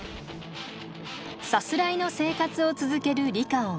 さすらいの生活を続けるリカオン。